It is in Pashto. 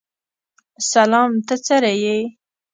سلام ته څرې یې؟